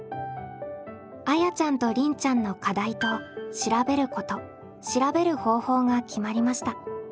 あやちゃんとりんちゃんの課題と「調べること」「調べる方法」が決まりました。